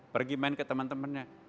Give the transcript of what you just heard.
pergi main ke teman temannya